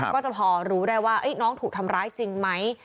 ก็จะพอรู้ได้ว่าน้องถูกทำร้ายจริงไหม